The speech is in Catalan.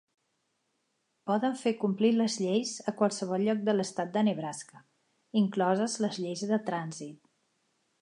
Poden fer complir les lleis a qualsevol lloc de l'estat de Nebraska, incloses les lleis de trànsit.